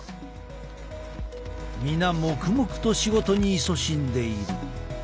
皆黙々と仕事にいそしんでいる。